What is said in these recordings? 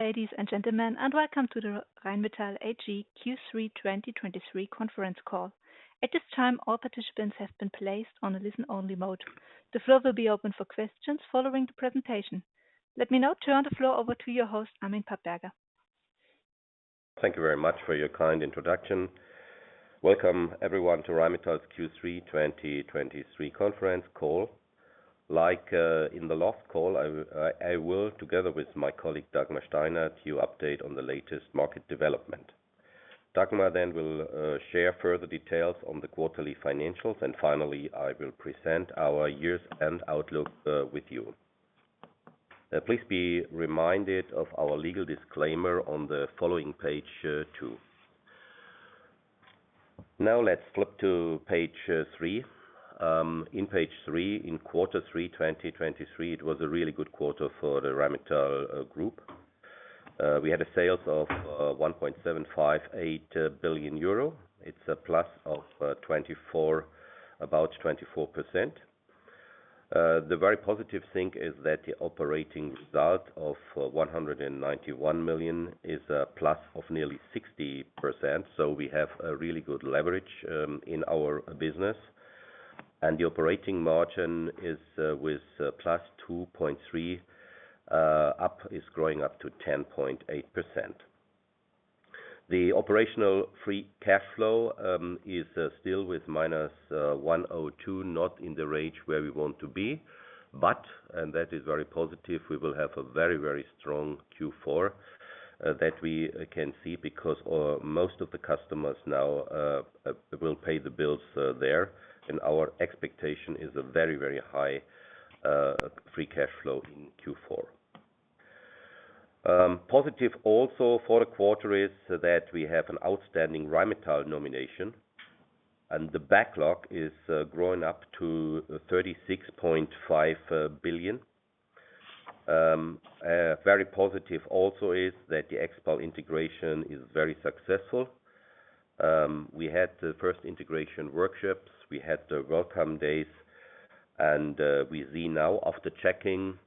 Ladies and gentlemen, and welcome to the Rheinmetall AG Q3 2023 Conference Call. At this time, all participants have been placed on a listen-only mode. The floor will be open for questions following the presentation. Let me now turn the floor over to your host, Armin Papperger. Thank you very much for your kind introduction. Welcome everyone to Rheinmetall's Q3 2023 Conference Call. Like in the last call, I will, together with my colleague, Dagmar Steinert, to update on the latest market development. Dagmar then will share further details on the quarterly financials, and finally, I will present our years and outlook with you. Please be reminded of our legal disclaimer on the following page two. Now, let's flip to page three. In page three, in quarter three 2023, it was a really good quarter for the Rheinmetall Group. We had a sales of 1.758 billion euro. It's a +24, about 24%. The very positive thing is that the operating result of 191 million is a plus of nearly 60%, so we have a really good leverage in our business. And the operating margin is with +2.3 is growing up to 10.8%. The operational free cash flow is still with -102 million, not in the range where we want to be, but and that is very positive, we will have a very, very strong Q4 that we can see because most of the customers now will pay the bills there, and our expectation is a very, very high free cash flow in Q4. Positive also for the quarter is that we have an outstanding Rheinmetall Nomination, and the backlog is growing up to 36.5 billion. Very positive also is that the Expal integration is very successful. We had the first integration workshops, we had the welcome days, and we see now after checking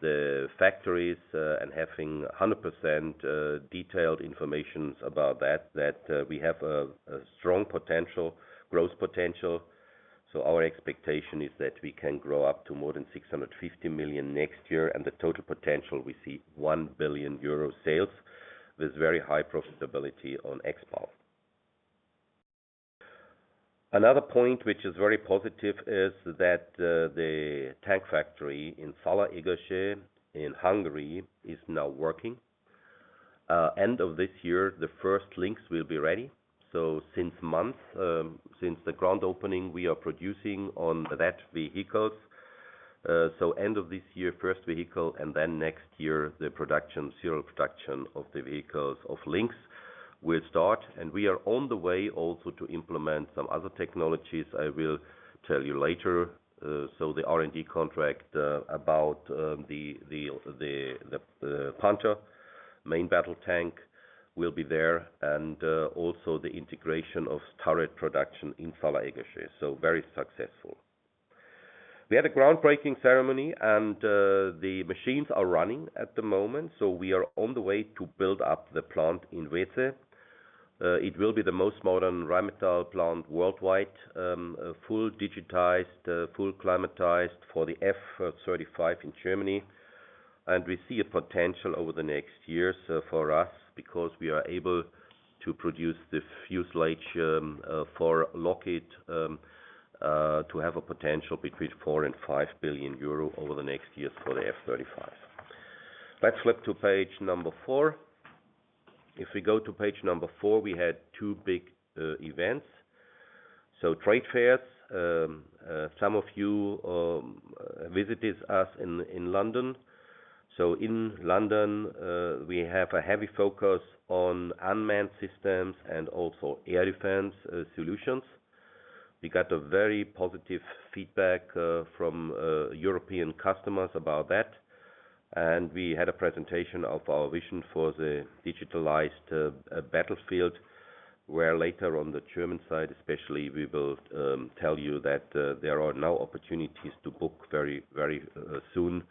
the factories and having 100% detailed information about that, that we have a strong potential, growth potential. So our expectation is that we can grow up to more than 650 million next year, and the total potential, we see 1 billion euro sales with very high profitability on Expal. Another point which is very positive is that the tank factory in Zalaegerszeg in Hungary is now working. End of this year, the first Lynx will be ready. So since month, since the grand opening, we are producing on that vehicles. End of this year, first vehicle, and then next year, the serial production of the vehicles of Lynx will start, and we are on the way also to implement some other technologies. I will tell you later. So the R&D contract about the Panther main battle tank will be there, and also the integration of turret production in Zalaegerszeg. So very successful. We had a groundbreaking ceremony, and the machines are running at the moment, so we are on the way to build up the plant in Weeze. It will be the most modern Rheinmetall plant worldwide, full digitized, full climatized for the F-35 in Germany. We see a potential over the next years for us, because we are able to produce the fuselage for Lockheed to have a potential between 4 billion and 5 billion euro over the next years for the F-35. Let's flip to page four. If we go to page four, we had two big events, trade fairs. Some of you visited us in London. In London, we have a heavy focus on unmanned systems and also air defense solutions. We got very positive feedback from European customers about that, and we had a presentation of our vision for the digitalized battlefield, where later on the German side especially, we will tell you that there are now opportunities to book very, very soon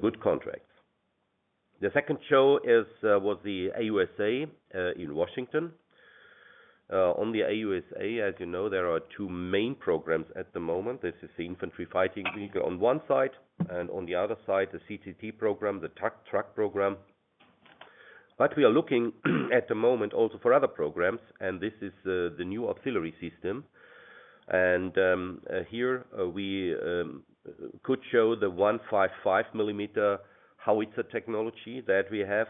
good contracts. The second show is, was the AUSA in Washington. On the AUSA, as you know, there are two main programs at the moment. This is the Infantry Fighting Vehicle on one side and on the other side, the CTT program, the tac truck program. But we are looking at the moment also for other programs, and this is the new artillery system. And here, we could show the 155 millimeter, how it's a technology that we have,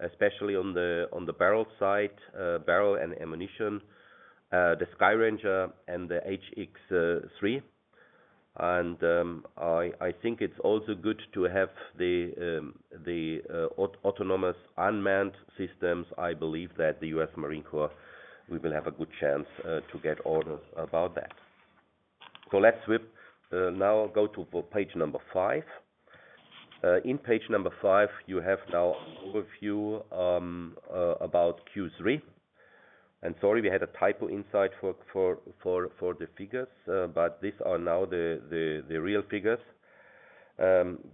especially on the barrel side, barrel and ammunition, the Skyranger and the HX3. And I think it's also good to have the autonomous unmanned systems. I believe that the U.S. Marine Corps, we will have a good chance to get orders about that. So let's flip, now go to page number five. In page number five, you have now an overview about Q3. And sorry, we had a typo inside for the figures, but these are now the real figures.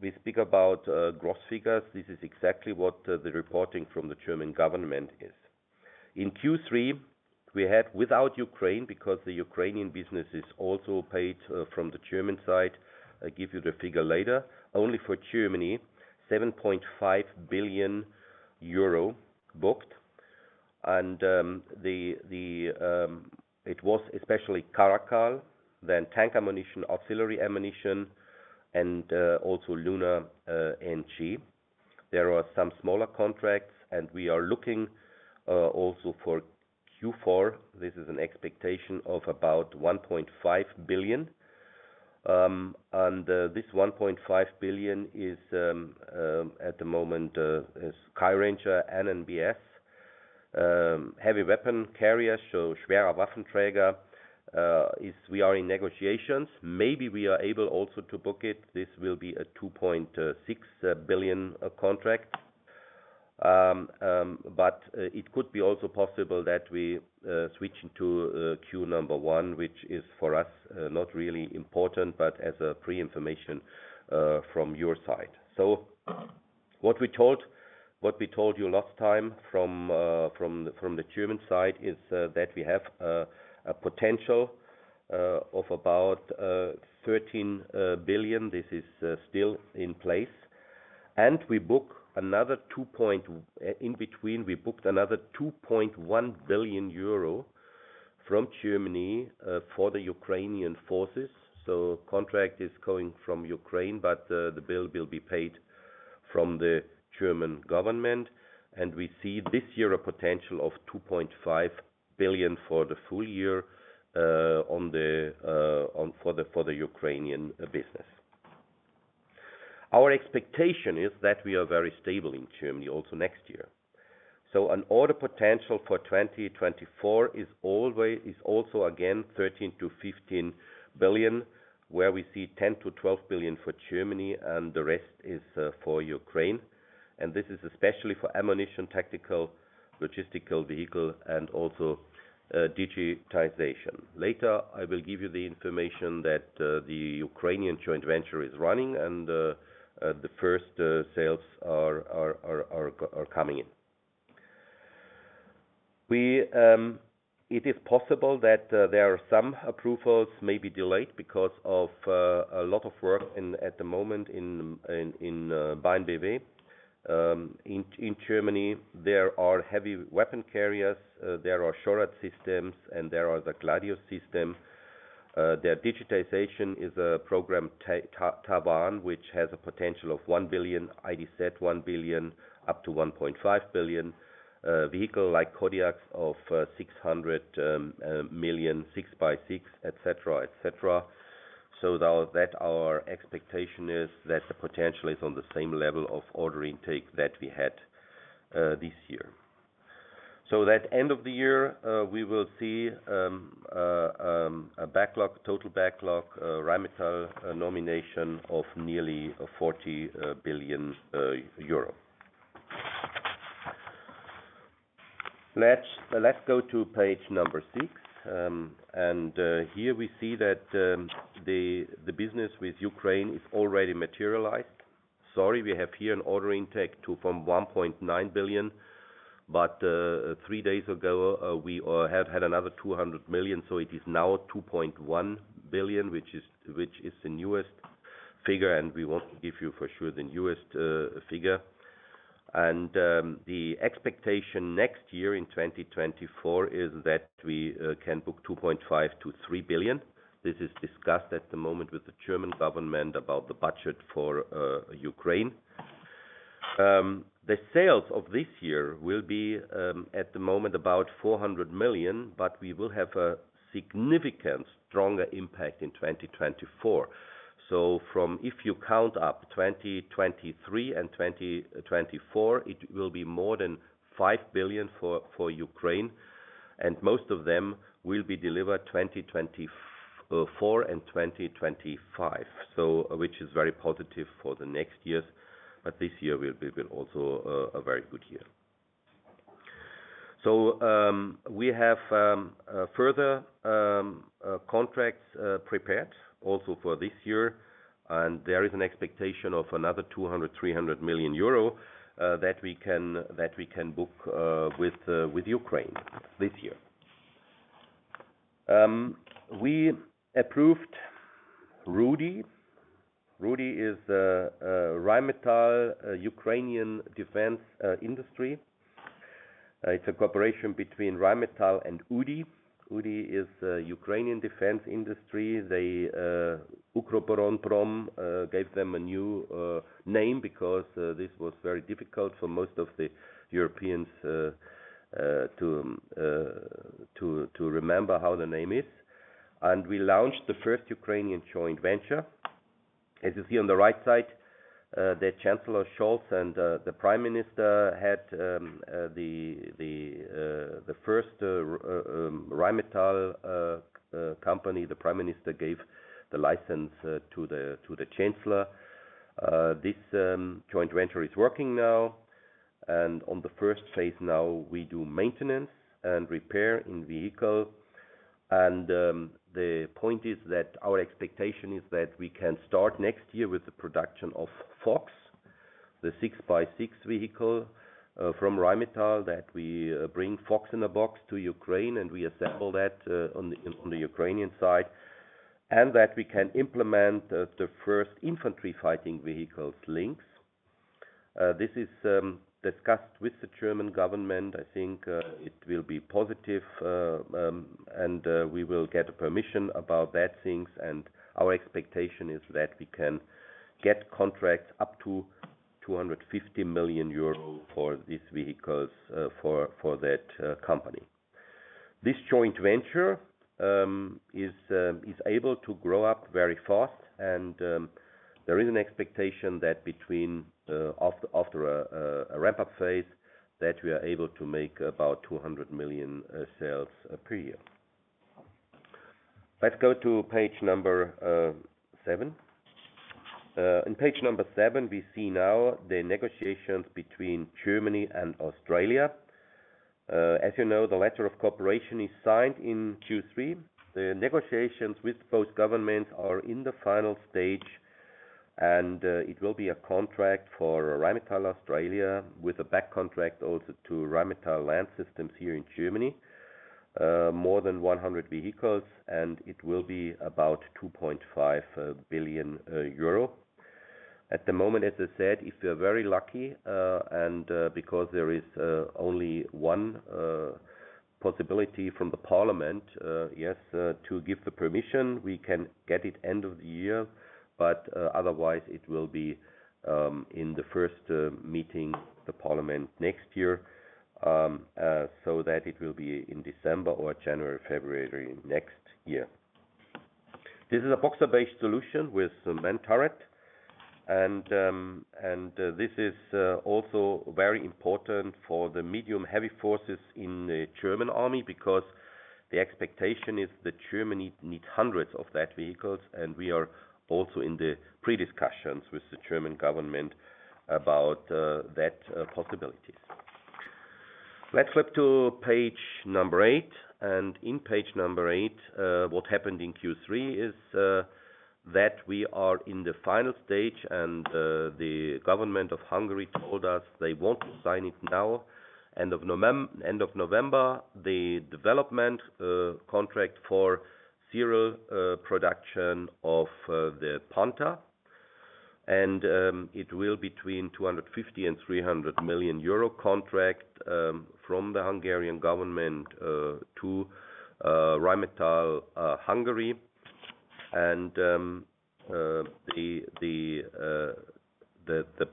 We speak about gross figures. This is exactly what the reporting from the German government is. In Q3, we had, without Ukraine, because the Ukrainian business is also paid from the German side. I'll give you the figure later. Only for Germany, 7.5 billion euro booked. And the it was especially Caracal, then tank ammunition, artillery ammunition, and also LUNA NG. There are some smaller contracts, and we are looking also for Q4. This is an expectation of about 1.5 billion. And this 1.5 billion is at the moment Skyranger and NNbS heavy weapon carrier, so Schwerer Waffenträger. We are in negotiations. Maybe we are able also to book it. This will be a 2.6 billion contract. But it could be also possible that we switch to Q1, which is for us not really important, but as a pre-information from your side. So what we told you last time from the German side is that we have a potential of about 13 billion. This is still in place. And in between, we booked another 2.1 billion euro from Germany for the Ukrainian forces. So contract is coming from Ukraine, but the bill will be paid from the German government, and we see this year a potential of 2.5 billion for the full year, for the Ukrainian business. Our expectation is that we are very stable in Germany also next year. So an order potential for 2024 is always, is also again, 13 billion-15 billion, where we see 10 billion-12 billion for Germany and the rest is for Ukraine. And this is especially for ammunition, tactical, logistical, vehicle, and also digitization. Later, I will give you the information that the Ukrainian joint venture is running and the first sales are coming in. It is possible that there are some approvals may be delayed because of a lot of work at the moment in BAAINBw. In Germany, there are heavy weapon carriers, there are Skyranger systems, and there are the Gladius system. Their digitization is a program, TaWAN, which has a potential of 1 billion, IdZ 1 billion, up to 1.5 billion, vehicle like Kodiak of 600 million, 6x6, et cetera, et cetera. So now that our expectation is that the potential is on the same level of order intake that we had this year. So that end of the year, we will see a backlog, total backlog, Rheinmetall nomination of nearly EUR 40 billion. Let's go to page number six. Here we see that the business with Ukraine is already materialized. Sorry, we have here an order intake from 1.9 billion, but three days ago we have had another 200 million, so it is now 2.1 billion, which is the newest figure, and we want to give you for sure the newest figure. The expectation next year in 2024 is that we can book 2.5 billion-3 billion. This is discussed at the moment with the German government about the budget for Ukraine. The sales of this year will be at the moment about 400 million, but we will have a significant stronger impact in 2024. So from, if you count up 2023 and 2024, it will be more than 5 billion for Ukraine, and most of them will be delivered 2024 and 2025. So, which is very positive for the next years, but this year will be also a very good year. So, we have further contracts prepared also for this year, and there is an expectation of another 200 million-300 million euro that we can book with Ukraine this year. We approved RUDI. RUDI is Rheinmetall Ukrainian Defense Industry. It's a cooperation between Rheinmetall and UDI. UDI is Ukrainian Defense Industry. They, Ukroboronprom, gave them a new name because this was very difficult for most of the Europeans to remember how the name is. We launched the first Ukrainian joint venture. As you see on the right side, the Chancellor Scholz and the Prime Minister had the first Rheinmetall company. The Prime Minister gave the license to the Chancellor. This joint venture is working now, and on the first phase now, we do maintenance and repair in vehicle. The point is that our expectation is that we can start next year with the production of Fox, the 6x6 vehicle, from Rheinmetall, that we bring Fox in a box to Ukraine, and we assemble that on the Ukrainian side, and that we can implement the first infantry fighting vehicles, Lynx. This is discussed with the German government. I think it will be positive, and we will get a permission about that things, and our expectation is that we can get contracts up to 250 million euros for these vehicles, for that company. This joint venture is able to grow up very fast, and there is an expectation that after a wrap-up phase, that we are able to make about 200 million sales per year. Let's go to page number seven. In page number seven, we see now the negotiations between Germany and Australia. As you know, the letter of cooperation is signed in Q3. The negotiations with both governments are in the final stage, and it will be a contract for Rheinmetall Australia, with a back contract also to Rheinmetall Land Systems here in Germany. More than 100 vehicles, and it will be about 2.5 billion euro. At the moment, as I said, if we are very lucky and because there is only one possibility from the parliament, yes, to give the permission, we can get it end of the year, but otherwise it will be in the first meeting, the parliament next year. So that it will be in December or January, February next year. This is a Boxer-based solution with some manned turret. And this is also very important for the medium heavy forces in the German army, because the expectation is that Germany need hundreds of that vehicles, and we are also in the pre-discussions with the German government about that possibilities. Let's flip to page eight. In page number eight, what happened in Q3 is that we are in the final stage, and the government of Hungary told us they want to sign it now. End of November, the development contract for serial production of the Panther. And it will be between 250 million and 300 million euro contract from the Hungarian government to Rheinmetall Hungary. And the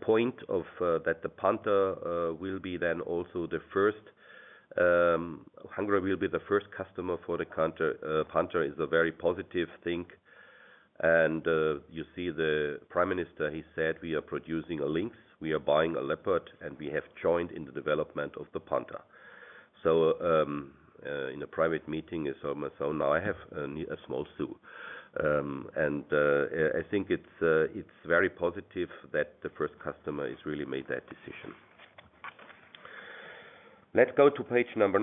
point of that the Panther will be then also the first, Hungary will be the first customer for the Panther. Panther is a very positive thing. You see the Prime Minister, he said, "We are producing a Lynx, we are buying a Leopard, and we have joined in the development of the Panther." So, in a private meeting, he saw me, so now I have a new small suit. And, I think it's very positive that the first customer has really made that decision. Let's go to page 9.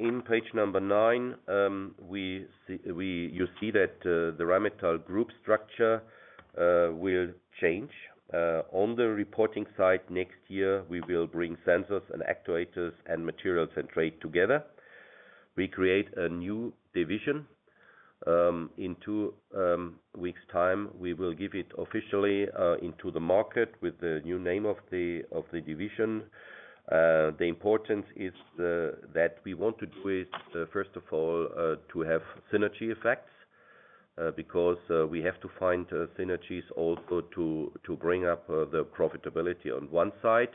On page 9, you see that the Rheinmetall group structure will change. On the reporting side, next year, we will bring Sensors and Actuators and Materials and Trade together. We create a new division. In two weeks time, we will give it officially into the market with the new name of the division. The importance is that we want to do it first of all to have synergy effects because we have to find synergies also to bring up the profitability on one side.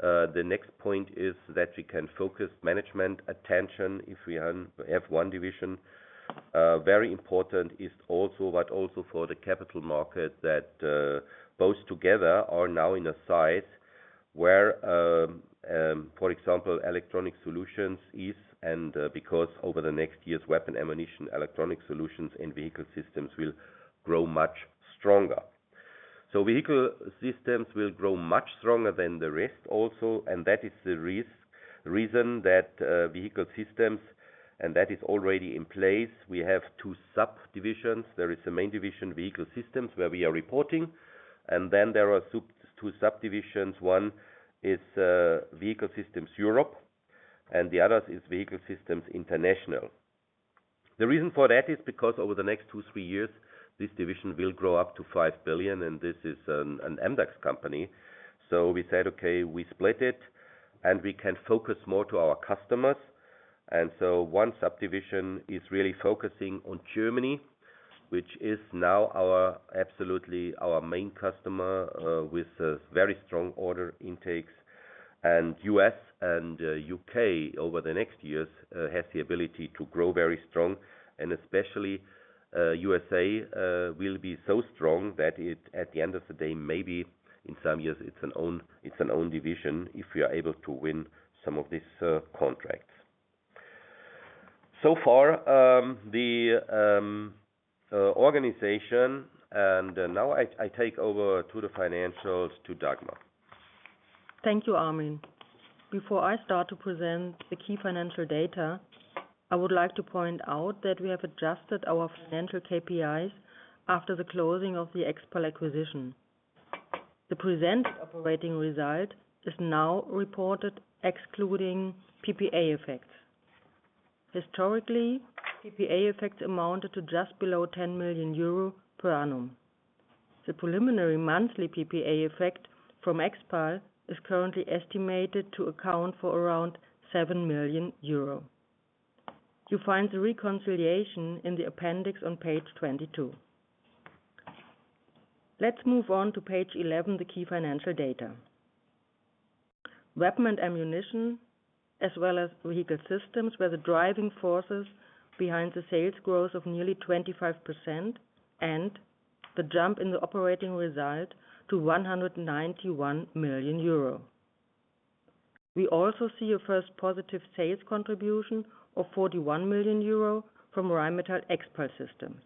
The next point is that we can focus management attention if we have one division. Very important is also, but also for the capital market, that both together are now in a size where, for example, Electronic Solutions is, and because over the next year's Weapons and Ammunition, Electronic Solutions and Vehicle Systems will grow much stronger. So Vehicle Systems will grow much stronger than the rest also, and that is the reason that Vehicle Systems, and that is already in place. We have two subdivisions. There is a main division, Vehicle Systems, where we are re porting, and then there are two subdivisions. One is Vehicle Systems Europe, and the other is Vehicle Systems International. The reason for that is because over the next two-three years, this division will grow up to 5 billion, and this is an MDAX company. So we said, "Okay, we split it, and we can focus more to our customers." And so one subdivision is really focusing on Germany, which is now our, absolutely our main customer with a very strong order intakes. And U.S. and U.K. over the next years has the ability to grow very strong. Especially, USA will be so strong that it, at the end of the day, maybe in some years, it's an own division, if we are able to win some of these contracts. So far, the organization and now I take over to the financials to Dagmar. Thank you, Armin. Before I start to present the key financial data, I would like to point out that we have adjusted our financial KPIs after the closing of the Expal acquisition. The present operating result is now reported excluding PPA effects. Historically, PPA effects amounted to just below 10 million euro per annum. The preliminary monthly PPA effect from Expal is currently estimated to account for around 7 million euro. You find the reconciliation in the appendix on page 22. Let's move on to page 11, the key financial data. Weapon and Ammunition, as well as Vehicle Systems, were the driving forces behind the sales growth of nearly 25%, and the jump in the operating result to 191 million euro. We also see a first positive sales contribution of 41 million euro from Rheinmetall Expal Systems.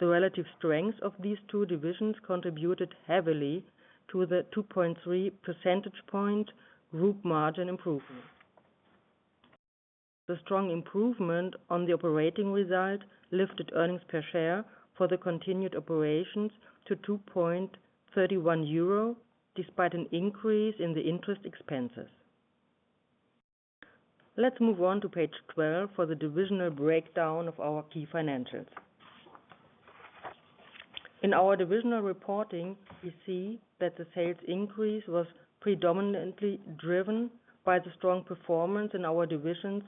The relative strength of these two divisions contributed heavily to the 2.3 percentage point group margin improvement. The strong improvement on the operating result lifted earnings per share for the continued operations to 2.31 euro, despite an increase in the interest expenses. Let's move on to page 12 for the divisional breakdown of our key financials. In our divisional reporting, we see that the sales increase was predominantly driven by the strong performance in our divisions,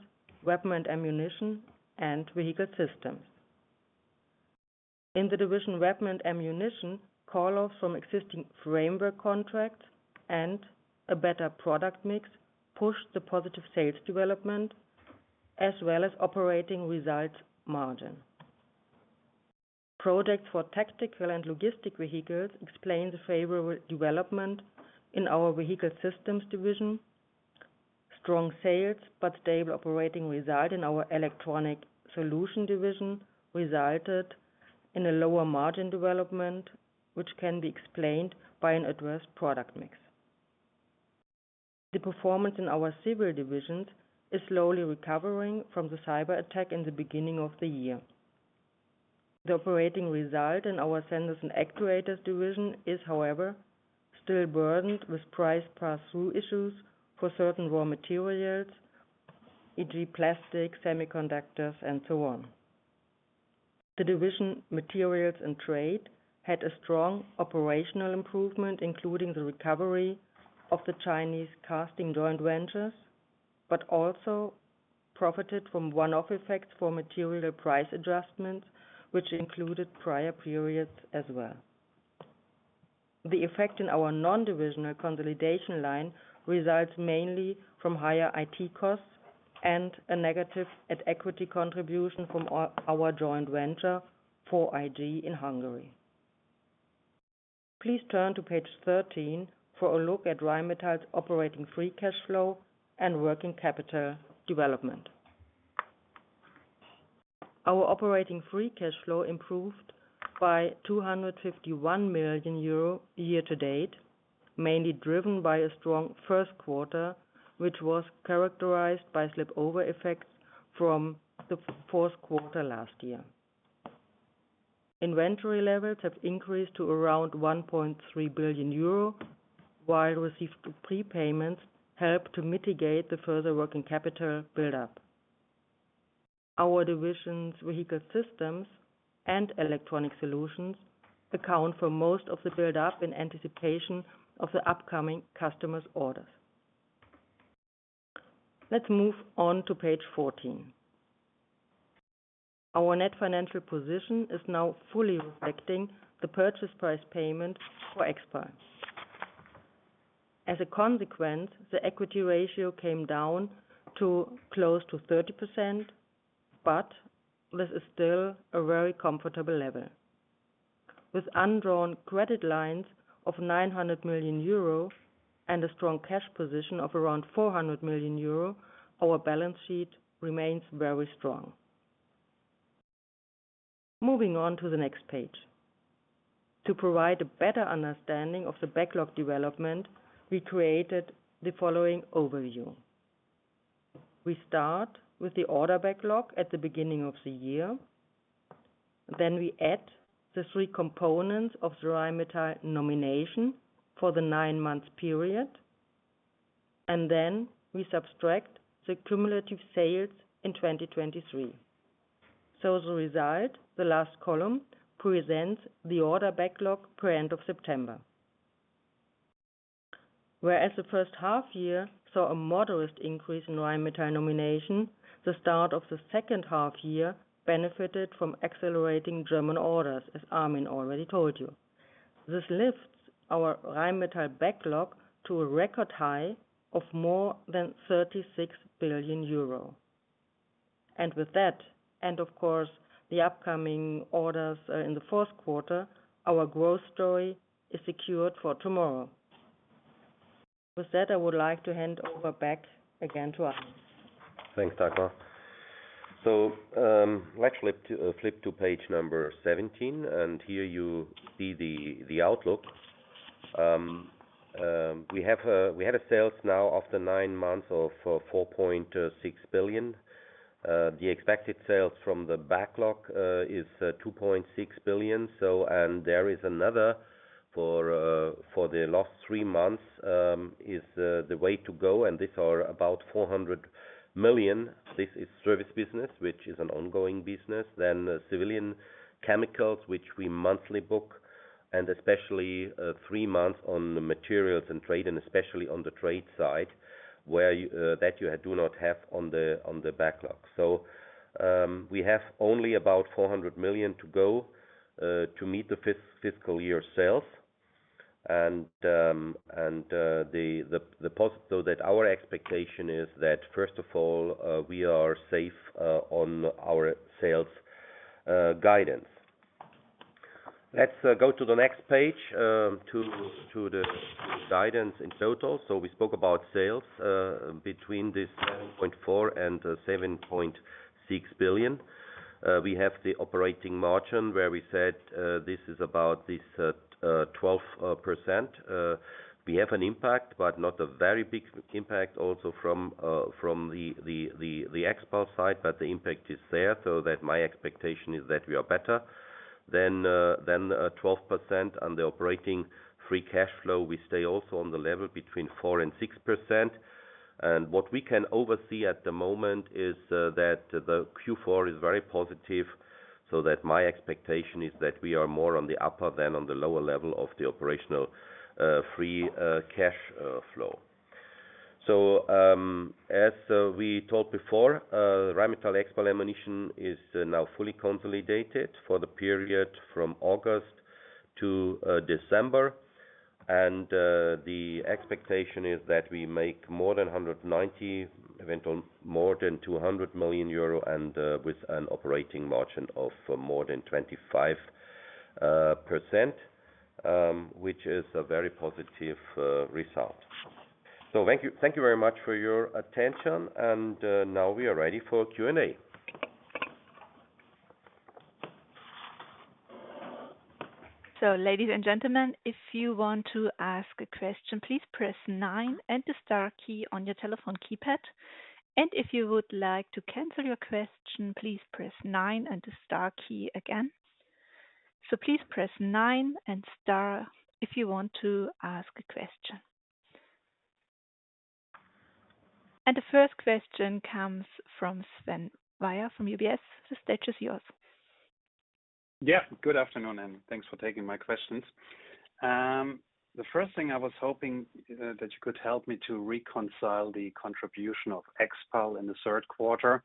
Weapon and Ammunition, and Vehicle Systems. In the division, Weapon and Ammunition, call-offs from existing framework contracts and a better product mix, pushed the positive sales development as well as operating results margin. Products for tactical and logistic vehicles explain the favorable development in our Vehicle Systems division. Strong sales, but stable operating result in our Electronic Solutions division, resulted in a lower margin development, which can be explained by an adverse product mix. The performance in our civil divisions is slowly recovering from the cyberattack in the beginning of the year. The operating result in our Sensors and Actuators division is, however, still burdened with price pass-through issues for certain raw materials, e.g., plastic, semiconductors, and so on. The Materials and Trade division had a strong operational improvement, including the recovery of the Chinese casting joint ventures, but also profited from one-off effects for material price adjustments, which included prior periods as well. The effect in our non-divisional consolidation line results mainly from higher IT costs and a negative at-equity contribution from our joint venture for 4iG in Hungary. Please turn to page 13 for a look at Rheinmetall's operating free cash flow and working capital development. Our operating free cash flow improved by 251 million euro year to date, mainly driven by a strong first quarter, which was characterized by slip over effects from the fourth quarter last year. Inventory levels have increased to around 1.3 billion euro, while received prepayments help to mitigate the further working capital buildup. Our divisions, Vehicle Systems and Electronic Solutions, account for most of the buildup in anticipation of the upcoming customers' orders. Let's move on to page 14. Our net financial position is now fully respecting the purchase price payment for Expal. As a consequence, the equity ratio came down to close to 30%, but this is still a very comfortable level. With undrawn credit lines of 900 million euro and a strong cash position of around 400 million euro, our balance sheet remains very strong. Moving on to the next page. To provide a better understanding of the backlog development, we created the following overview. We start with the order backlog at the beginning of the year, then we add the three components of the Rheinmetall Nomination for the nine months period, and then we subtract the cumulative sales in 2023. So the result, the last column, presents the order backlog per end of September. Whereas the first half year saw a modest increase in Rheinmetall Nomination, the start of the second half year benefited from accelerating German orders, as Armin already told you. This lifts our Rheinmetall backlog to a record high of more than 36 billion euro. With that, and of course, the upcoming orders in the fourth quarter, our growth story is secured for tomorrow. With that, I would like to hand over back again to Armin. Thanks, Dagmar. So, let's flip to page number 17, and here you see the outlook. We had sales now after nine months of 4.6 billion. The expected sales from the backlog is 2.6 billion, so and there is another for the last three months is the way to go, and these are about 400 million. This is service business, which is an ongoing business. Then civilian chemicals, which we monthly book, and especially three months on the Materials and Trade, and especially on the trade side, where you that you do not have on the backlog. So, we have only about 400 million to go to meet the fiscal year sales. So that our expectation is that, first of all, we are safe on our sales guidance. Let's go to the next page, to the guidance in total. So we spoke about sales between 7.4 billion-7.6 billion. We have the operating margin, where we said this is about 12%. We have an impact, but not a very big impact also from the Expal side, but the impact is there. So that my expectation is that we are better than 12% on the operating free cash flow, we stay also on the level between 4%-6%. What we can oversee at the moment is that the Q4 is very positive, so that my expectation is that we are more on the upper than on the lower level of the operational free cash flow. So, as we told before, Rheinmetall Expal Munitions is now fully consolidated for the period from August to December. And, the expectation is that we make more than 190 million, even on more than 200 million euro and with an operating margin of more than 25%, which is a very positive result. So thank you, thank you very much for your attention, and now we are ready for Q&A. So ladies and gentlemen, if you want to ask a question, please press nine and the star key on your telephone keypad. And if you would like to cancel your question, please press nine and the star key again. So please press nine and star if you want to ask a question. And the first question comes from Sven Weier from UBS. The stage is yours. Yeah, good afternoon, and thanks for taking my questions. The first thing I was hoping that you could help me to reconcile the contribution of Expal in the third quarter.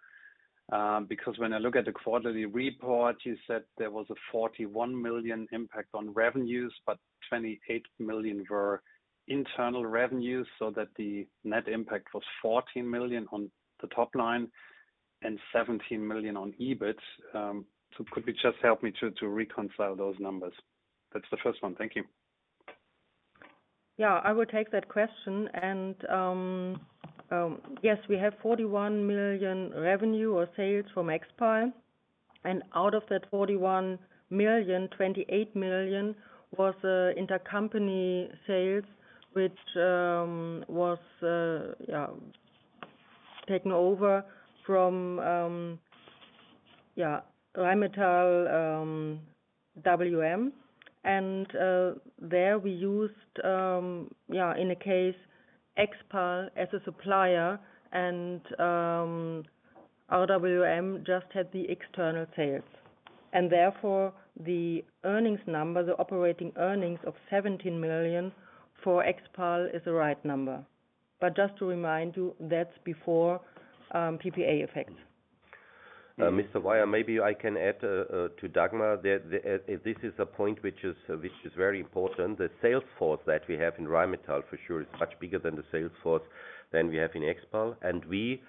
Because when I look at the quarterly report, you said there was a 41 million impact on revenues, but 28 million were internal revenues, so that the net impact was 14 million on the top line and 17 million on EBIT. So could you just help me to reconcile those numbers? That's the first one. Thank you. Yeah, I will take that question. And yes, we have 41 million revenue or sales from Expal, and out of that 41 million, 28 million was intercompany sales, which was taken over from Rheinmetall WM. And there we used in a case, Expal as a supplier and RWM just had the external sales. And therefore, the earnings number, the operating earnings of 17 million for Expal is the right number. But just to remind you, that's before PPA effect. Mr. Weier, maybe I can add to Dagmar that this is a point which is very important. The sales force that we have in Rheinmetall for sure is much bigger than the sales force than we have in Expal. And we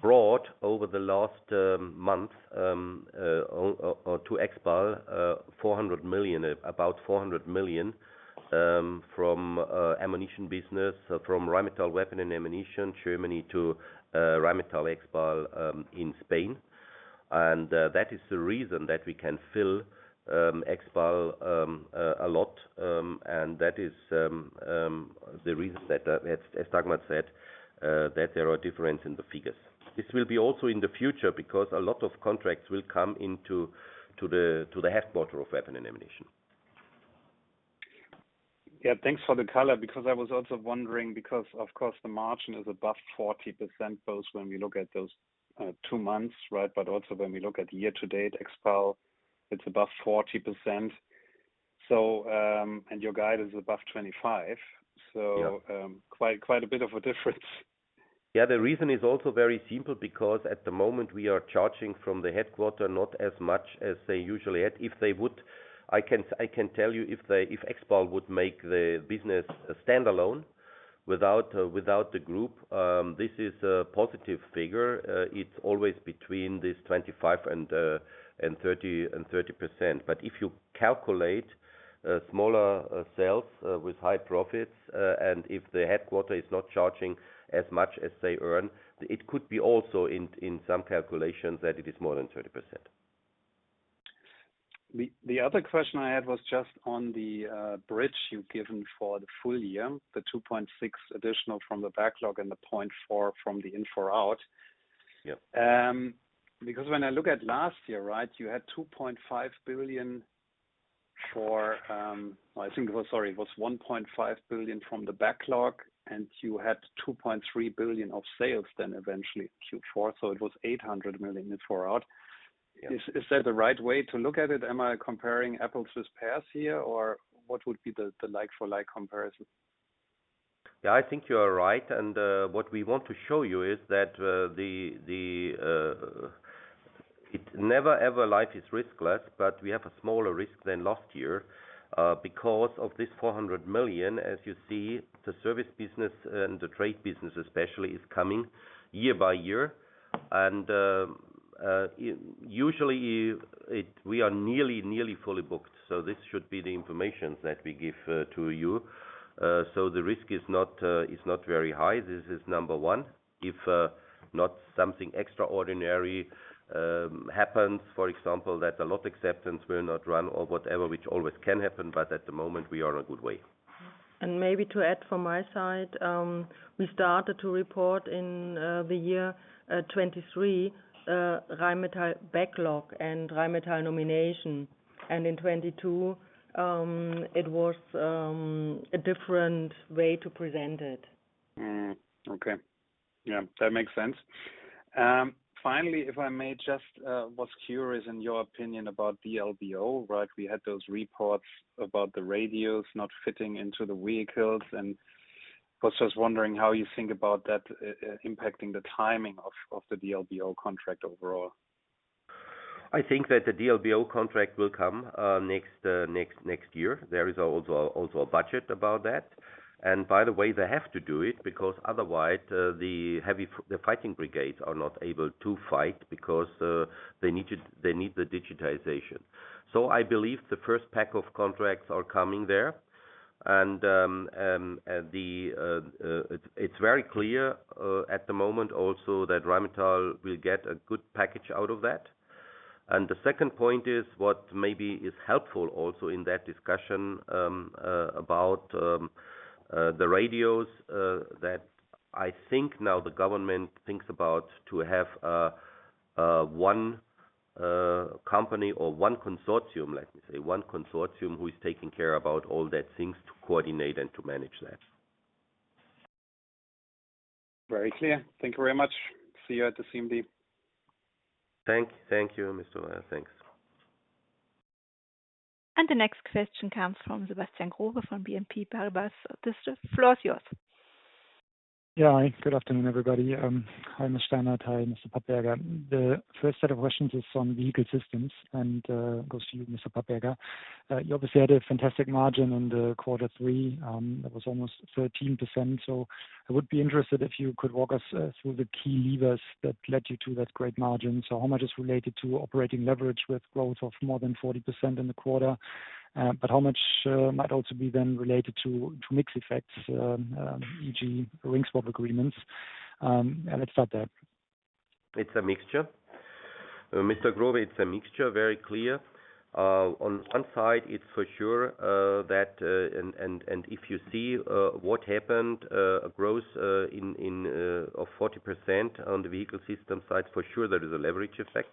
brought over the last month or to Expal 400 million, about 400 million, from ammunition business, from Rheinmetall Weapon and Ammunition, Germany, to Rheinmetall Expal in Spain. And that is the reason that we can fill Expal a lot, and that is the reason that, as Dagmar said, that there are difference in the figures. This will be also in the future, because a lot of contracts will come into the headquarters of Weapon and Ammunition. Yeah, thanks for the color, because I was also wondering, because of course, the margin is above 40%, both when we look at those two months, right? But also when we look at year to date, Expal, it's above 40%. So, and your guide is above 25%. Yeah. Quite, quite a bit of a difference. Yeah, the reason is also very simple, because at the moment we are charging from the headquarters, not as much as they usually had. If they would, I can tell you if Expal would make the business a standalone without the group, this is a positive figure. It's always between 25% and 30%. But if you calculate smaller sales with high profits, and if the headquarters is not charging as much as they earn, it could be also in some calculations that it is more than 30%. The other question I had was just on the bridge you've given for the full year, the 2.6 billion additional from the backlog and the 0.4 billion from the in-for-out. Yep. Because when I look at last year, right, you had 2.5 billion for, I think it was, sorry, it was 1.5 billion from the backlog, and you had 2.3 billion of sales then eventually Q4, so it was 800 million in-for-out. Yes. Is that the right way to look at it? Am I comparing apples to pears here, or what would be the like-for-like comparison? Yeah, I think you are right, and what we want to show you is that it never ever life is riskless, but we have a smaller risk than last year because of this 400 million. As you see, the service business and the trade business especially is coming year by year. And usually we are nearly fully booked, so this should be the information that we give to you. So the risk is not very high. This is number one. If not something extraordinary happens, for example, that a lot acceptance will not run or whatever, which always can happen, but at the moment we are in a good way. Maybe to add from my side, we started to report in the year 2023 Rheinmetall backlog and Rheinmetall Nomination, and in 2022 it was a different way to present it. Okay. Yeah, that makes sense. Finally, if I may just, was curious, in your opinion about the D-LBO, right? We had those reports about the radios not fitting into the vehicles, and was just wondering how you think about that, impacting the timing of the D-LBO contract overall. I think that the D-LBO contract will come next year. There is also a budget about that. And by the way, they have to do it because otherwise, the heavy fighting brigades are not able to fight because they need the digitization. So I believe the first pack of contracts are coming there, and it's very clear at the moment also that Rheinmetall will get a good package out of that. And the second point is, what maybe is helpful also in that discussion about the radios, that I think now the government thinks about to have one company or one consortium, let me say, one consortium who is taking care about all that things to coordinate and to manage that. Very clear. Thank you very much. See you at the CMD. Thank you, Mr. Weier, thanks. The next question comes from Sebastian Growe, from BNP Paribas. The floor is yours. Yeah. Hi, good afternoon, everybody. Hi, Ms. Steinert. Hi, Mr. Papperger. The first set of questions is on Vehicle Systems and goes to you, Mr. Papperger. You obviously had a fantastic margin on the quarter three, that was almost 13%. So I would be interested if you could walk us through the key levers that led you to that great margin. So how much is related to operating leverage with growth of more than 40% in the quarter? But how much might also be then related to mix effects, e.g., ring swap agreements? And let's start there. It's a mixture. Mr. Growe, it's a mixture, very clear. On one side, it's for sure that and if you see what happened, a growth in of 40% on the Vehicle System side, for sure there is a leverage effect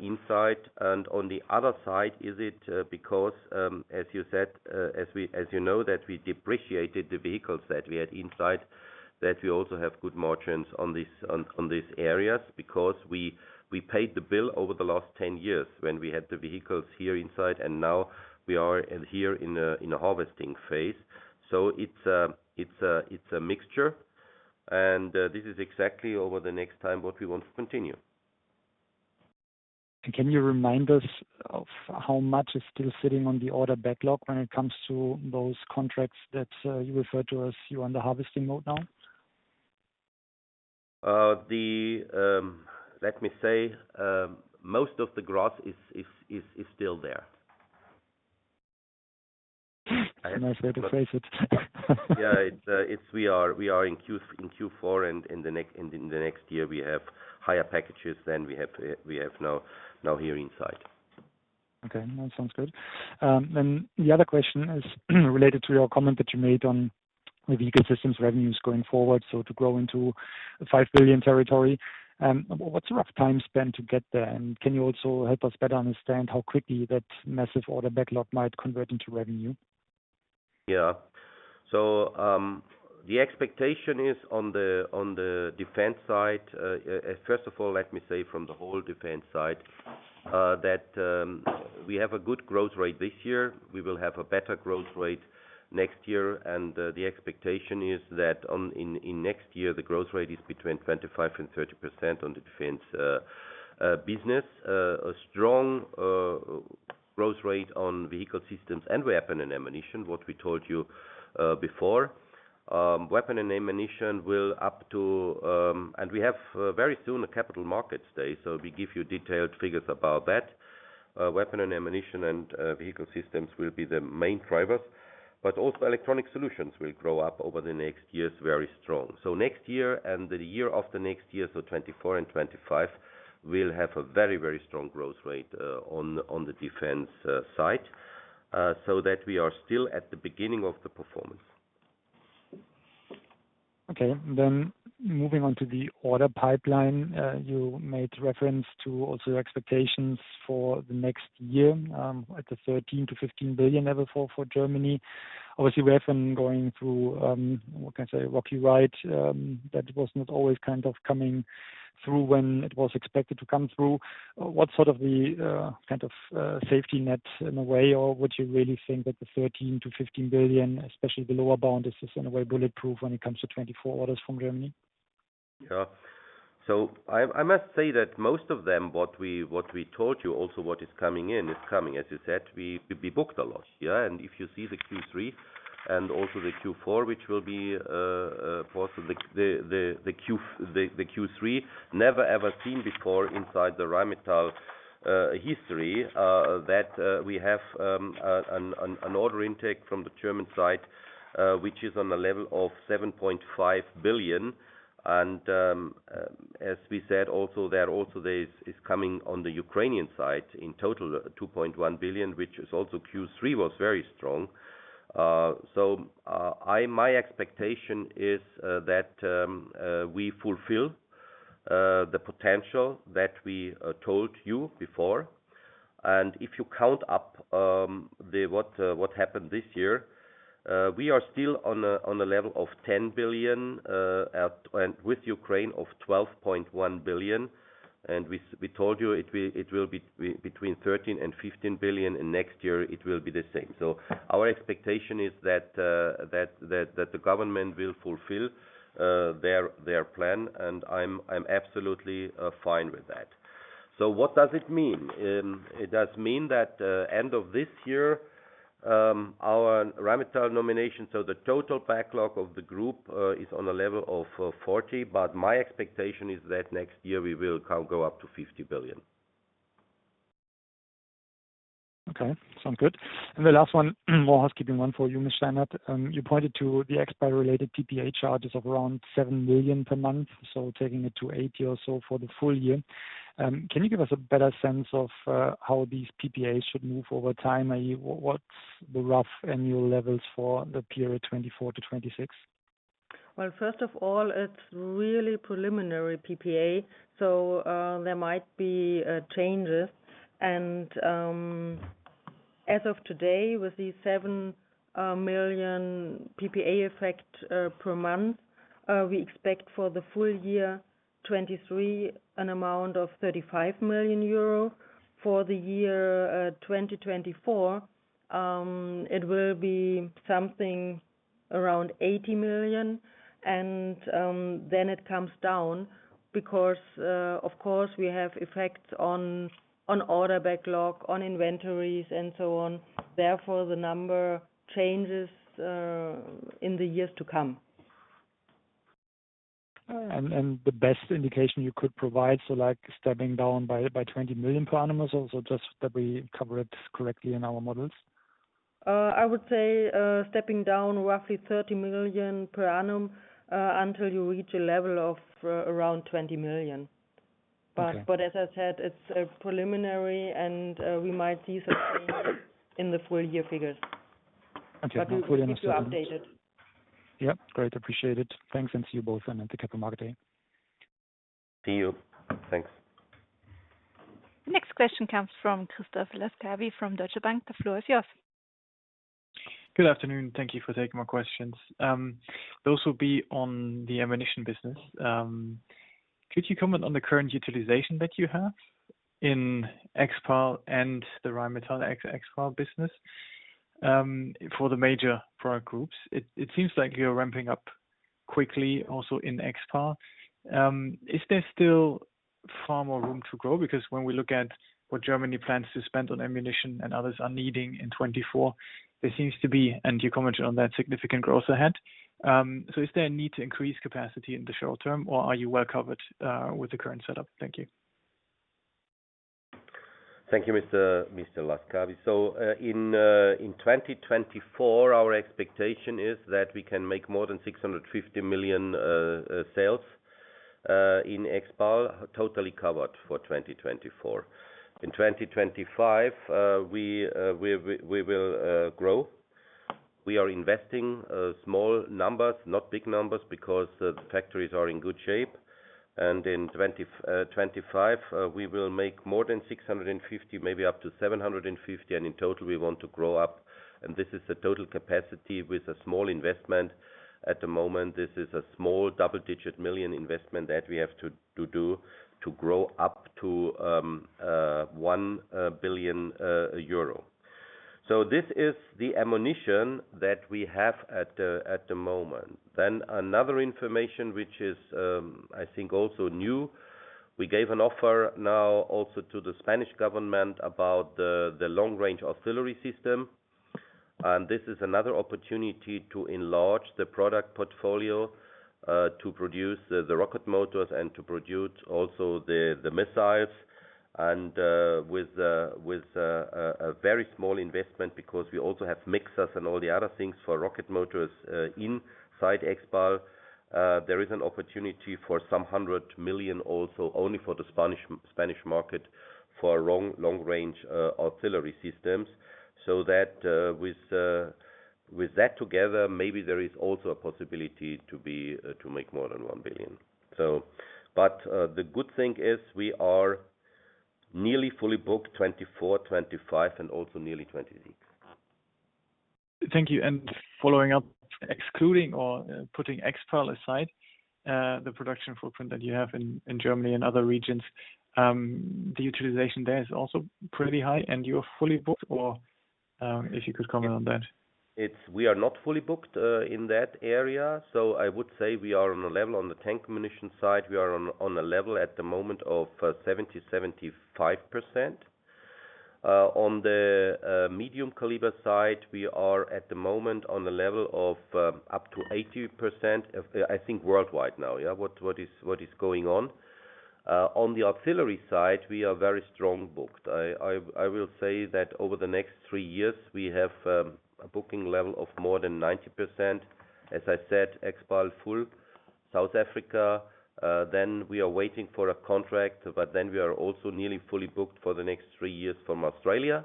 inside. And on the other side, is it because, as you said, as we, as you know, that we depreciated the vehicles that we had inside, that we also have good margins on this, on these areas, because we paid the bill over the last 10 years when we had the vehicles here inside, and now we are here in a harvesting phase. So it's a mixture, and this is exactly over the next time what we want to continue. Can you remind us of how much is still sitting on the order backlog when it comes to those contracts that you referred to as you are on the harvesting mode now? Let me say, most of the growth is still there. Nice way to phrase it. Yeah, it's we are in Q4, and in the next year we have higher packages than we have now here inside. Okay, that sounds good. The other question is related to your comment that you made on the ecosystems revenues going forward. To grow into a 5 billion territory, what's the rough time spent to get there? And can you also help us better understand how quickly that massive order backlog might convert into revenue? Yeah. So, the expectation is on the defense side, first of all, let me say from the whole defense side, that we have a good growth rate this year. We will have a better growth rate next year, and the expectation is that in next year, the growth rate is between 25% and 30% on the defense business. A strong growth rate on Vehicle Systems and Weapon and Ammunition, what we told you before. Weapon and Ammunition will up to, and we have very soon a capital markets day, so we give you detailed figures about that. Weapon and Ammunition, and Vehicle Systems will be the main drivers, but also electronic solutions will grow up over the next years, very strong. So next year and the year after next year, so 2024 and 2025, we'll have a very, very strong growth rate on the defense side. So that we are still at the beginning of the performance. Okay. Then moving on to the order pipeline. You made reference to also expectations for the next year, at the 13 billion-15 billion level for Germany. Obviously, we have been going through, what can I say? Rocky ride, that was not always kind of coming through when it was expected to come through. What's sort of the, kind of, safety net in a way? Or would you really think that the 13 billion-15 billion, especially the lower bound, is this in a way, bulletproof when it comes to 2024 orders from Germany? Yeah. So I must say that most of them, what we told you, also what is coming in, is coming. As you said, we booked a lot. Yeah, and if you see the Q3 and also the Q4, which will be also the Q3, never ever seen before inside the Rheinmetall history. That we have an order intake from the German side, which is on the level of 7.5 billion. And as we said, also there is coming on the Ukrainian side, in total 2.1 billion, which is also Q3, was very strong. So, my expectation is that we fulfill the potential that we told you before. And if you count up, the what happened this year, we are still on a level of 10 billion and with Ukraine of 12.1 billion, and we told you it will be between 13 billion and 15 billion, and next year it will be the same. So our expectation is that that the government will fulfill their plan, and I'm absolutely fine with that. So what does it mean? It does mean that end of this year, our Rheinmetall Nomination, so the total backlog of the group, is on a level of 40 billion. But my expectation is that next year we will go up to 50 billion. Okay, sound good. And the last one, more housekeeping, one for you, Ms. Steinert. You pointed to the Expal-related PPA charges of around 7 million per month, so taking it to 80 million or so for the full year. Can you give us a better sense of how these PPAs should move over time? I mean, what, what's the rough annual levels for the period 2024-2026? Well, first of all, it's really preliminary PPA, so there might be changes. As of today, with these 7 million PPA effect per month, we expect for the full year 2023, an amount of 35 million euro. For the year 2024, it will be something around 80 million and then it comes down because, of course, we have effects on order backlog, on inventories and so on. Therefore, the number changes in the years to come. And the best indication you could provide, so like stepping down by 20 million per annum or so, just that we cover it correctly in our models. I would say, stepping down roughly 30 million per annum, until you reach a level of around 20 million. Okay. But as I said, it's preliminary and we might see something in the full year figures. Okay, fully understand. If you update it. Yep. Great, appreciate it. Thanks, and see you both then at the Capital Market Day. See you. Thanks. Next question comes from Christoph Laskawi, from Deutsche Bank. The floor is yours. Good afternoon. Thank you for taking my questions. Those will be on the ammunition business. Could you comment on the current utilization that you have in Expal and the Rheinmetall Expal business, for the major product groups? It seems like you're ramping up quickly also in Expal. Is there still far more room to grow? Because when we look at what Germany plans to spend on ammunition and others are needing in 2024, there seems to be, and you commented on that significant growth ahead. So is there a need to increase capacity in the short term, or are you well covered with the current setup? Thank you. Thank you, Mr. Laskawi. So, in 2024, our expectation is that we can make more than 650 million sales in Expal, totally covered for 2024. In 2025, we will grow. We are investing small numbers, not big numbers, because the factories are in good shape. And in 2025, we will make more than 650 million, maybe up to 750 million, and in total we want to grow up. And this is the total capacity with a small investment. At the moment, this is a small double-digit million investment that we have to do, to grow up to 1 billion euro. So this is the ammunition that we have at the moment. Then another information, which is, I think also new. We gave an offer now also to the Spanish government about the long-range artillery system. And this is another opportunity to enlarge the product portfolio, to produce the rocket motors and to produce also the missiles and with a very small investment, because we also have mixers and all the other things for rocket motors, inside Expal. There is an opportunity for some hundred million also, only for the Spanish market, for long-range artillery systems. So that, with that together, maybe there is also a possibility to make more than 1 billion. So but, the good thing is we are nearly fully booked 2024, 2025, and also nearly 2026. Thank you, and following up, excluding or putting Expal aside, the production footprint that you have in Germany and other regions, the utilization there is also pretty high and you're fully booked, or if you could comment on that. We are not fully booked in that area. So I would say we are on a level, on the tank ammunition side, we are on a level at the moment of 70%-75%. On the medium caliber side, we are at the moment on a level of up to 80%, I think, worldwide now. Yeah, what is going on. On the artillery side, we are very strong booked. I will say that over the next three years, we have a booking level of more than 90%. As I said, Expal full. South Africa, then we are waiting for a contract, but then we are also nearly fully booked for the next three years from Australia,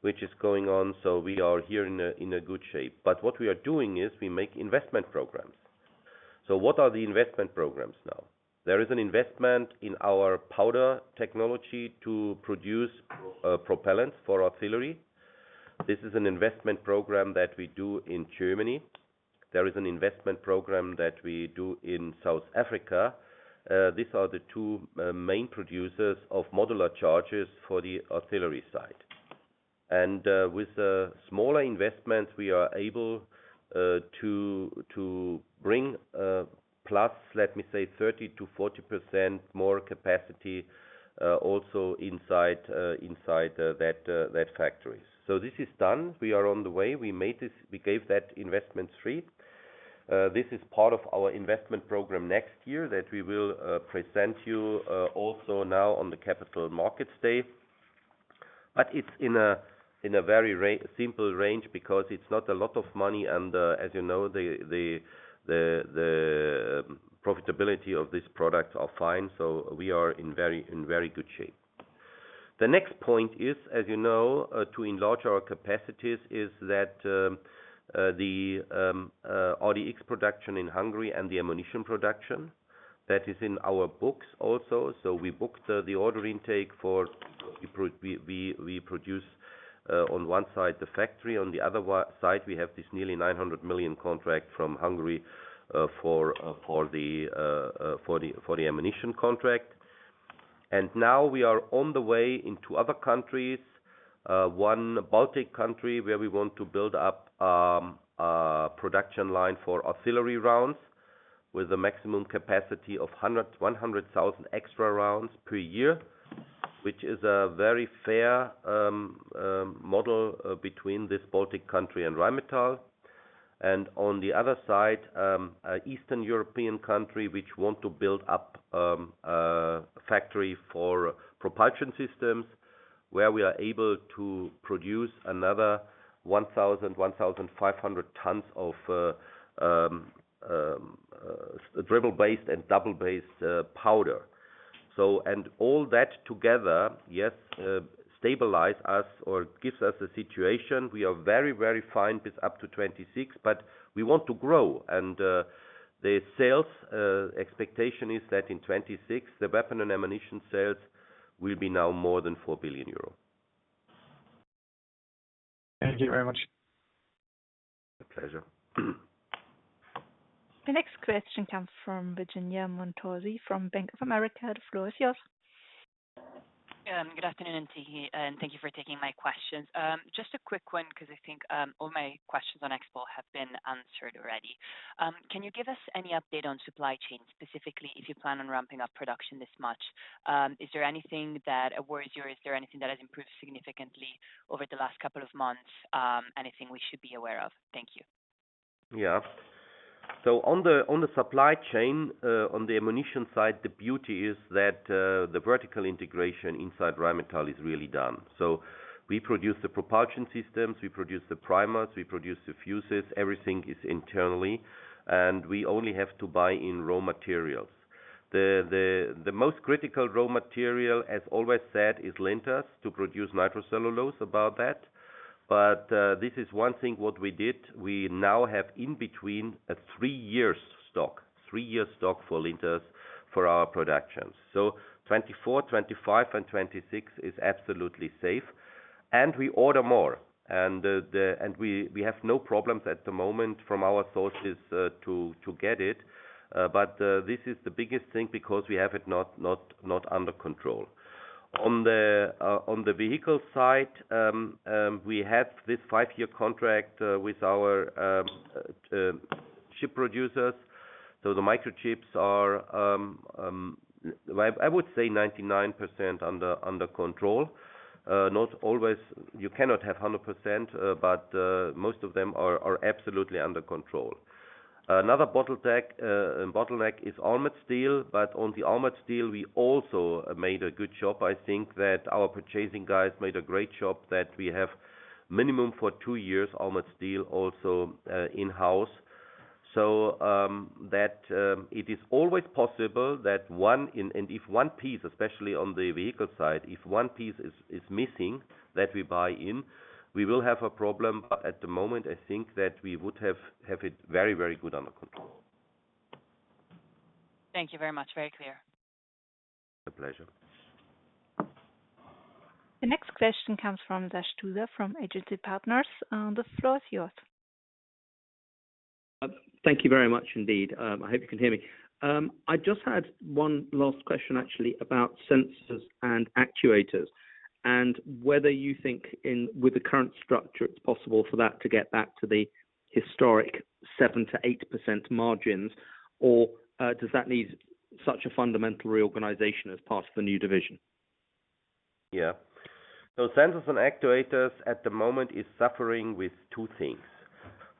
which is going on, so we are here in a good shape. But what we are doing is, we make investment programs. So what are the investment programs now? There is an investment in our powder technology to produce propellants for artillery. This is an investment program that we do in Germany. There is an investment program that we do in South Africa. These are the two main producers of modular charges for the artillery side. And with smaller investments, we are able to bring plus, let me say, 30%-40% more capacity, also inside that factories. So this is done. We are on the way, we made this, we gave that investment three. This is part of our investment program next year, that we will present you also now on the Capital Markets Day. But it's in a very simple range because it's not a lot of money, and, as you know, the profitability of this product are fine, so we are in very good shape. The next point is, as you know, to enlarge our capacities is that the RDX production in Hungary and the ammunition production, that is in our books also. So we booked the order intake for we produce on one side, the factory, on the other side, we have this nearly 900 million contract from Hungary for the ammunition contract. And now we are on the way into other countries, one Baltic country, where we want to build up a production line for artillery rounds, with a maximum capacity of 100,000 extra rounds per year. Which is a very fair model between this Baltic country and Rheinmetall. And on the other side, an Eastern European country, which want to build up a factory for propulsion systems, where we are able to produce another 1,500 tons of triple-based and double-based powder. So, and all that together, yes, stabilize us or gives us a situation. We are very, very fine with up to 2026, but we want to grow. The sales expectation is that in 2026, the Weapon and Ammunition sales will be now more than 4 billion euro. Thank you very much. A pleasure. The next question comes from Virginia Montorsi, from Bank of America. The floor is yours. Good afternoon to you, and thank you for taking my questions. Just a quick one, because I think, all my questions on Expal have been answered already. Can you give us any update on supply chain, specifically, if you plan on ramping up production this much? Is there anything that worries you, or is there anything that has improved significantly over the last couple of months? Anything we should be aware of? Thank you. Yeah. So on the supply chain, on the ammunition side, the beauty is that the vertical integration inside Rheinmetall is really done. So we produce the propulsion systems, we produce the primers, we produce the fuses, everything is internally, and we only have to buy in raw materials. The most critical raw material, as always said, is linters, to produce nitrocellulose about that. But this is one thing what we did. We now have in between a three years stock, three years stock for linters for our productions. So 2024, 2025 and 2026 is absolutely safe, and we order more. And the, and we have no problems at the moment from our sources to get it. But this is the biggest thing because we have it not under control. On the vehicle side, we have this five-year contract with our chip producers. So the microchips are, I would say, 99% under control. Not always, you cannot have 100%, but most of them are absolutely under control. Another bottleneck is armored steel, but on the armored steel, we also made a good job. I think that our purchasing guys made a great job, that we have minimum for two years armored steel also in-house. So, it is always possible that one—and if one piece, especially on the vehicle side, if one piece is missing, that we buy in, we will have a problem. But at the moment, I think that we would have it very, very good under control. Thank you very much. Very clear. A pleasure. The next question comes from Sash Tusa, from Agency Partners. The floor is yours. Thank you very much indeed. I hope you can hear me. I just had one last question actually, about Sensors and Actuators, and whether you think in, with the current structure, it's possible for that to get back to the historic 7%-8% margins, or, does that need such a fundamental reorganization as part of the new division? Yeah. So Sensors and Actuators at the moment is suffering with two things.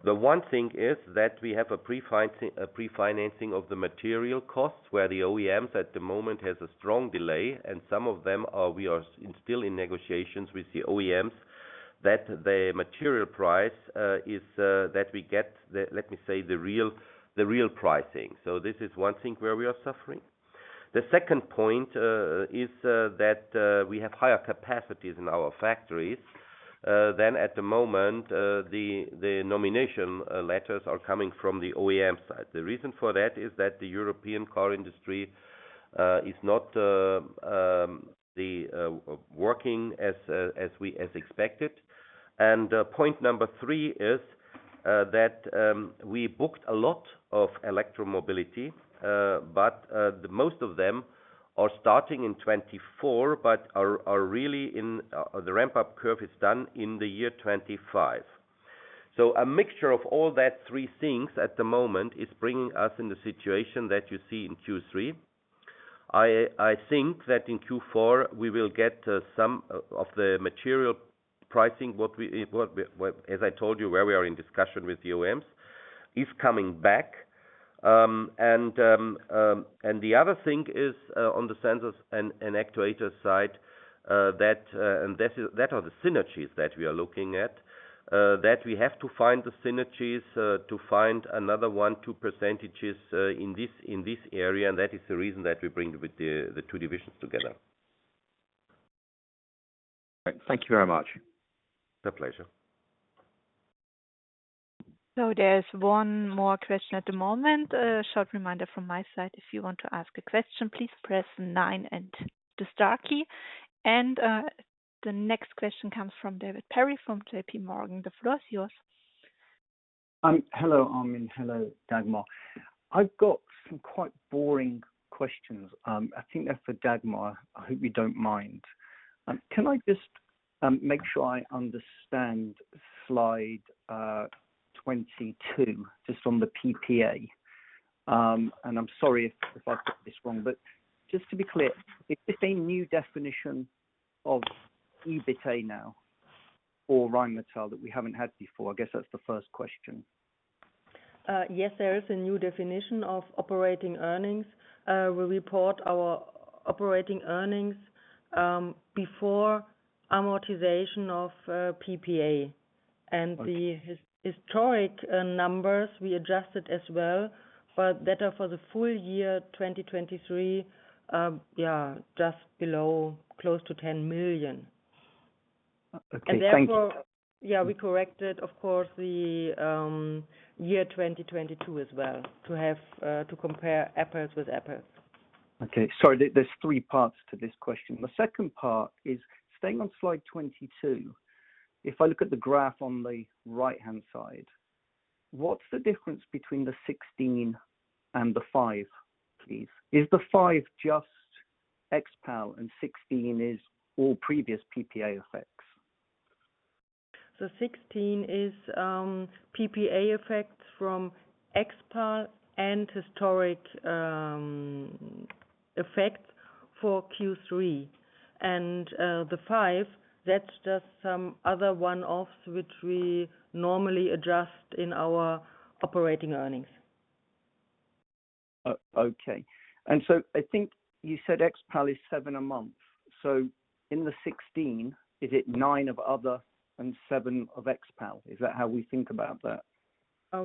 The one thing is that we have a pre-financing of the material costs, where the OEMs at the moment has a strong delay, and some of them are -- we are still in negotiations with the OEMs, that the material price is, that we get the, let me say, the real, the real pricing. So this is one thing where we are suffering. The second point is that we have higher capacities in our factories than at the moment the Nomination letters are coming from the OEM side. The reason for that is that the European car industry is not working as we expected. Point number three is that we booked a lot of electromobility, but the most of them are starting in 2024, but are really in the ramp-up curve is done in the year 2025. So a mixture of all that three things at the moment is bringing us in the situation that you see in Q3. I think that in Q4, we will get some of the material pricing, as I told you, where we are in discussion with the OEMs, is coming back. And the other thing is on the sensors and actuator side, that and that is, that are the synergies that we are looking at. that we have to find the synergies to find another 1%-2% in this area, and that is the reason that we bring the two divisions together. Thank you very much. A pleasure. There's one more question at the moment. A short reminder from my side, if you want to ask a question, please press nine and the star key. The next question comes from David Perry, from JP Morgan. The floor is yours. Hello, Armin. Hello, Dagmar. I've got some quite boring questions. I think they're for Dagmar. I hope you don't mind. Can I just make sure I understand slide 22, just on the PPA? And I'm sorry if I've got this wrong, but just to be clear, is this a new definition of EBITA now, or Rheinmetall that we haven't had before? I guess that's the first question. Yes, there is a new definition of operating earnings. We report our operating earnings before amortization of PPA. Okay. The historic numbers we adjusted as well, but that are for the full year 2023, yeah, just below, close to 10 million. Okay, thank you. Therefore, we corrected, of course, the year 2022 as well, to have to compare apples with apples. Okay. Sorry, there, there's three parts to this question. The second part is, staying on slide 22, if I look at the graph on the right-hand side, what's the difference between the 16 million and the 5 million, please? Is the 5 million just Expal, and 16 million is all previous PPA effects? So 16 million is PPA effects from Expal and historic effect for Q3. And the 5 million, that's just some other one-offs, which we normally adjust in our operating earnings. Okay. And so I think you said Expal is 7 million a month. So in the 16 million, is it 9 million of other and 7 million of Expal? Is that how we think about that?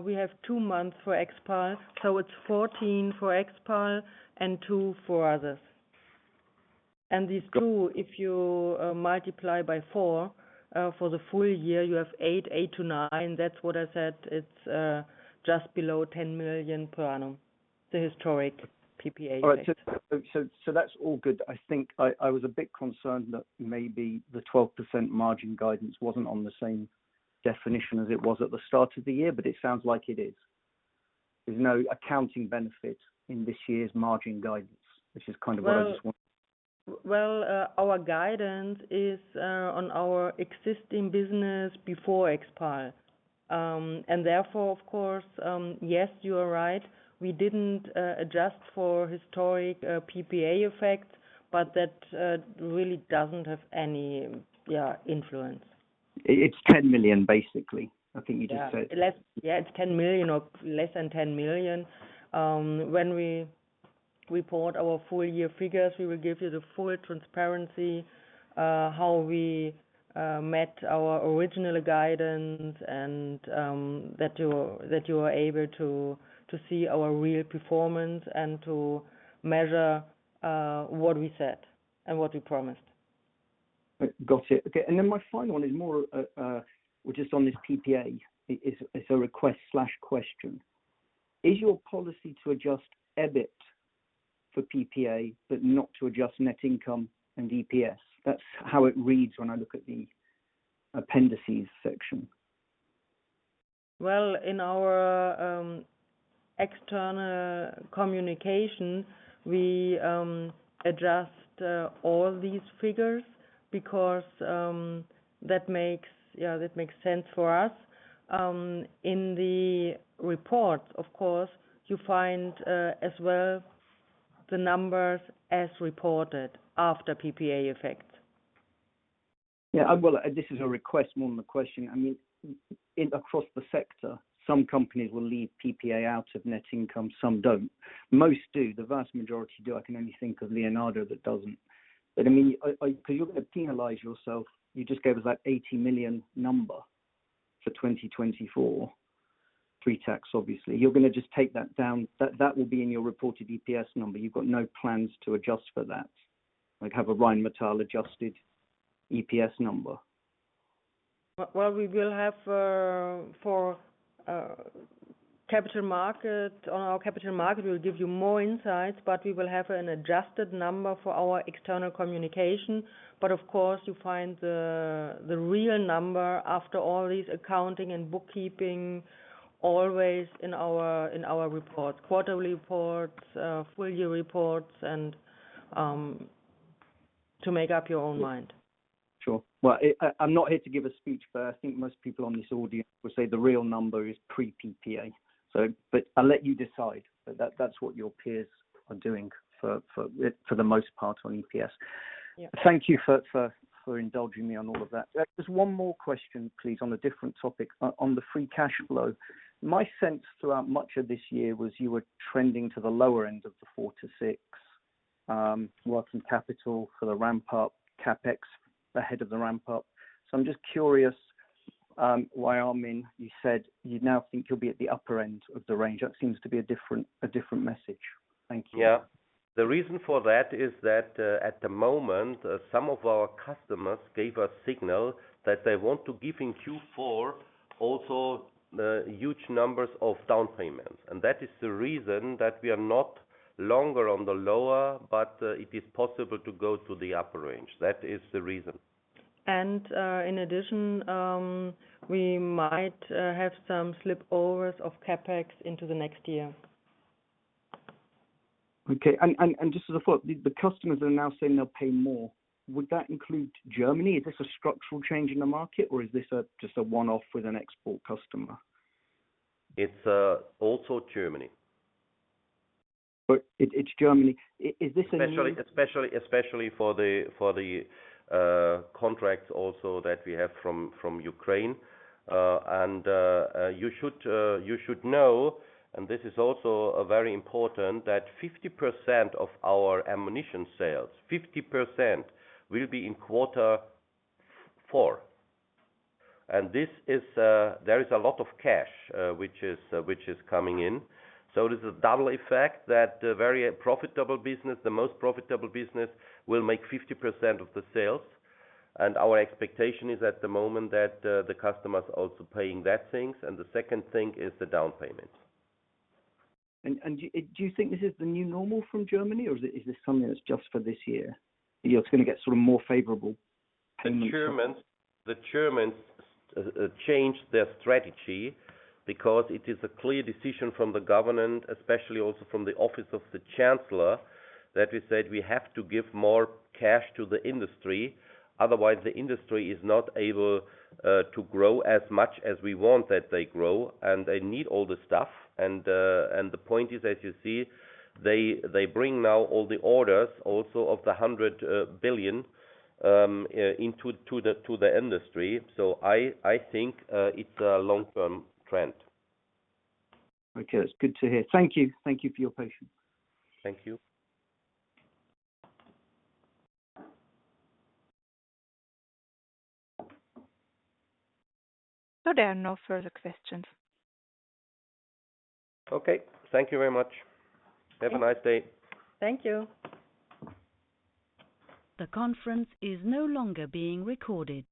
We have two months for Expal, so it's 14 million for Expal and 2 million for others. And these 2 million, if you multiply by 4 million for the full year, you have 8 million-9 million. That's what I said. It's just below 10 million per annum, the historic PPA. All right. So that's all good, I think. I was a bit concerned that maybe the 12% margin guidance wasn't on the same definition as it was at the start of the year, but it sounds like it is. There's no accounting benefit in this year's margin guidance, which is kind of what I just wanted- Well, our guidance is on our existing business before Expal. And therefore, of course, yes, you are right, we didn't adjust for historic PPA effects, but that really doesn't have any, yeah, influence. It's 10 million, basically, I think you just said. Yeah, it's 10 million or less than 10 million. When we report our full year figures, we will give you the full transparency, how we met our original guidance and that you are able to see our real performance and to measure what we said and what we promised. Got it. Okay, and then my final one is more, which is on this PPA. It's a request/question. Is your policy to adjust EBIT for PPA, but not to adjust net income and EPS? That's how it reads when I look at the appendices section. Well, in our external communication, we adjust all these figures because that makes, yeah, that makes sense for us. In the report, of course, you find as well the numbers as reported after PPA effects. Yeah, well, this is a request more than a question. I mean, across the sector, some companies will leave PPA out of net income, some don't. Most do, the vast majority do. I can only think of Leonardo that doesn't. But I mean, because you're going to penalize yourself. You just gave us that 80 million number for 2024, pre-tax obviously. You're going to just take that down. That will be in your reported EPS number. You've got no plans to adjust for that, like have a Rheinmetall adjusted EPS number? Well, we will have for Capital Market, on our Capital Market, we'll give you more insights, but we will have an adjusted number for our external communication. But of course, you find the real number after all these accounting and bookkeeping, always in our reports, quarterly reports, full year reports, and to make up your own mind. Sure. Well, I'm not here to give a speech, but I think most people on this audience will say the real number is pre-PPA. So but I'll let you decide, but that's what your peers are doing for the most part on EPS. Yeah. Thank you for indulging me on all of that. There's one more question, please, on a different topic. On the free cash flow. My sense throughout much of this year was you were trending to the lower end of the 4 billion-6 billion, working capital for the ramp up, CapEx ahead of the ramp up. So I'm just curious, why Armin, you said you now think you'll be at the upper end of the range. That seems to be a different message. Thank you. Yeah. The reason for that is that, at the moment, some of our customers gave a signal that they want to give in Q4 also the huge numbers of down payments. That is the reason that we are no longer on the lower, but it is possible to go to the upper range. That is the reason. In addition, we might have some slip overs of CapEx into the next year. Okay, and just as a thought, the customers are now saying they'll pay more. Would that include Germany? Is this a structural change in the market, or is this just a one-off with an export customer? It's also Germany. It's Germany. Is this a- Especially for the contracts also that we have from Ukraine. And you should know, and this is also very important, that 50% of our ammunition sales, 50% will be in quarter four. And this is, there is a lot of cash which is coming in. So it is a double effect that the very profitable business, the most profitable business, will make 50% of the sales. And our expectation is at the moment that the customers are also paying that things, and the second thing is the down payment. Do you think this is the new normal from Germany, or is this something that's just for this year? You know, it's going to get sort of more favorable? The Germans, the Germans, changed their strategy because it is a clear decision from the government, especially also from the Office of the Chancellor, that we said we have to give more cash to the industry, otherwise, the industry is not able, to grow as much as we want that they grow, and they need all the stuff. And, and the point is, as you see, they, they bring now all the orders, also of the 100 billion, into, to the, to the industry. So I, I think, it's a long-term trend. Okay, that's good to hear. Thank you. Thank you for your patience. Thank you. So there are no further questions. Okay. Thank you very much. Have a nice day. Thank you. The conference is no longer being recorded.